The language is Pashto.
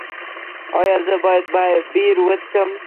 ایا زه باید بیر وڅښم؟